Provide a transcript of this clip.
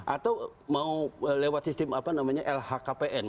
atau mau lewat sistem lhkpn